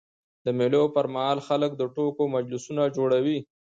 د مېلو پر مهال خلک د ټوکو مجلسونه جوړوي.